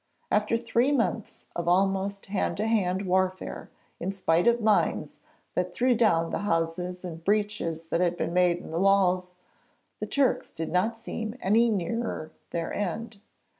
After three months of almost hand to hand warfare, in spite of mines that threw down the houses and breaches that had been made in the walls, the Turks did not seem any nearer their end.